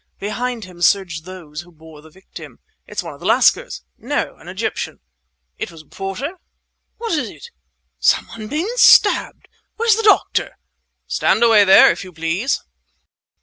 Behind him surged those who bore the victim. "It's one of the lascars!" "No—an Egyptian!" "It was a porter—?" "What is it—?" "Someone been stabbed!" "Where's the doctor?" "Stand away there, if you please!"